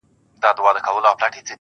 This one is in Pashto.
د برزخي ژوند دقيقې دې رانه کچي نه کړې~